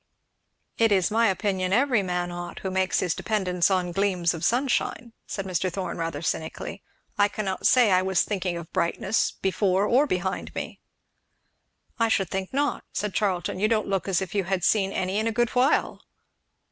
"It is my opinion every man ought, who makes his dependance on gleams of sunshine," said Mr. Thorn rather cynically. "I cannot say I was thinking of brightness before or behind me." "I should think not," said Charlton; "you don't look as if you had seen any in a good while."